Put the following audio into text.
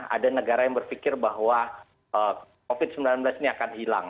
ada negara yang berpikir bahwa covid sembilan belas ini akan hilang